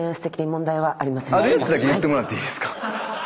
あるやつだけ言ってもらっていいですか。